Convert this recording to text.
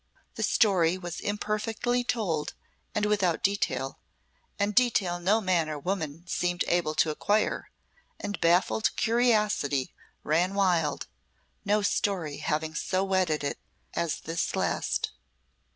The story was imperfectly told and without detail, and detail no man or woman seemed able to acquire, and baffled curiosity ran wild, no story having so whetted it as this last.